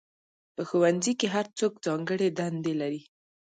په ښوونځي کې هر څوک ځانګړې دندې لري.